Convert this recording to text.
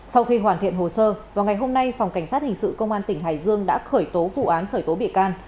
sau khi hoàn thiện hồ sơ vào ngày hôm nay phòng cảnh sát hình sự công an tỉnh hải dương đã khởi tố vụ án khởi tố bị can